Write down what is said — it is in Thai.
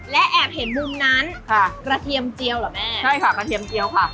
และแอบเห็นมุมนั้นค่ะกระเทียมเจียวเหรอแม่ใช่ค่ะกระเทียมเจียวค่ะ